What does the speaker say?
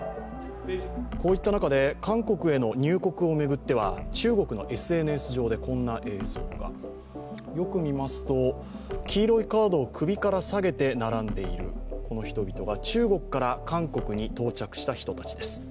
こういった中で韓国への入国を巡っては中国のＳＮＳ上でこんな映像がよく見ますと、黄色いカードを首から下げている並んでいるこの人々が、中国から韓国に到着した人たちです。